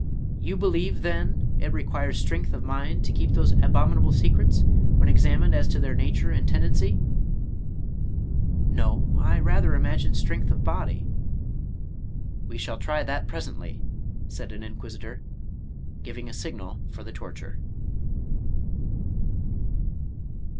" You believe, then, it requires strength of mind to keep those abominable secrets, when examined as to their nature and tendency?" — "No, I rather imagine strength of body." " We shall try that presently," said an Inquisitor, giving a signal for the torture.